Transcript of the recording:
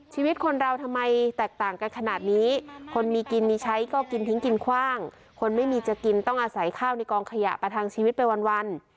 ชีวิตคนเราทำไมแตกต่างกันขนาดนี้คนมีกินมีใช้ก็กินทิ้งกินคว่างคนไม่มีจะกินต้องอาศัยข้าวในกองขยะประทังชีวิตไปวัน